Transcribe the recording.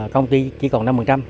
công ty chỉ còn năm